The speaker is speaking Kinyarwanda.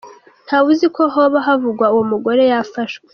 Nta wuzi ko hoba havugwa uwo mugore yafashwe.